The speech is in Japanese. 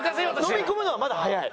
のみ込むのはまだ早い。